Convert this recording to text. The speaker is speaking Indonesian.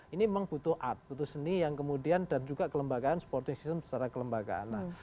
ini memang butuh art butuh seni yang kemudian dan juga kelembagaan supporting system secara kelembagaan